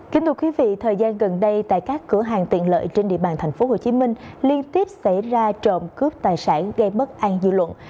kính thưa quý vị thời gian gần đây tại các cửa hàng tiện lợi trên địa bàn tp hcm liên tiếp xảy ra trộm cướp tài sản gây bất an dư luận